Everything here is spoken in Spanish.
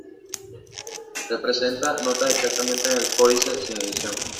Representa notas exactamente en el códice, sin edición.